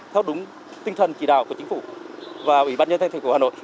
theo đúng tinh thần chỉ đạo của chính phủ và ủy ban nhân thành phố hà nội